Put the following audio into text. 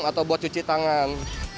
atau buat cuci tangan